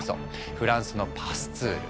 フランスのパスツール。